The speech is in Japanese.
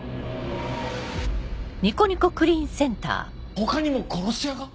他にも殺し屋が⁉